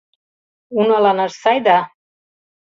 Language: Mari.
— Уналанаш сай да...